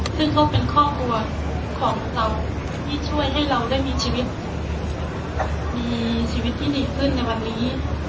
ซึ่งเขาเป็นครอบครัวของเราที่ช่วยให้เราได้มีชีวิตมีชีวิตที่ดีขึ้นในวันนี้